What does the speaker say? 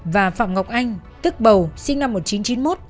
và phạm ngọc anh tức bầu sinh năm một nghìn chín trăm chín mươi một